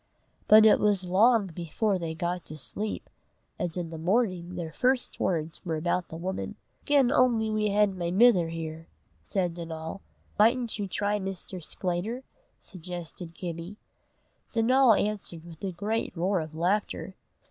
But it was long before they got to sleep, and in the morning their first words were about the woman. "Gien only we hed my mither here!" said Donal. "Mightn't you try Mr. Sclater?" suggested Gibbie. Donal answered with a great roar of laughter.